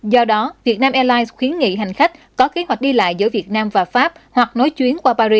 do đó vietnam airlines khuyến nghị hành khách có kế hoạch đi lại giữa việt nam và pháp hoặc nối chuyến qua paris